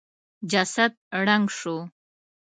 جسد ړنګ شو.